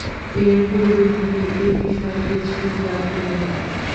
এর পূর্বে তিনি এ বিষয়ে কিছু জানতেনও না।